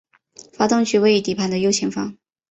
发动机位于底盘的右前方。